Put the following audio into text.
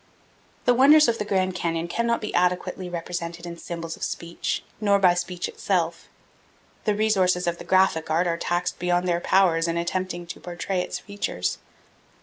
The wonders of the Grand Canyon cannot be adequately represented in symbols of speech, nor by speech itself. The resources of the graphic art are taxed beyond their powers in attempting to portray its features.